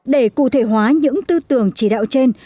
để cụ thể hóa những tư tưởng chỉ đạo trên